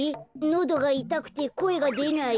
のどがいたくてこえがでない？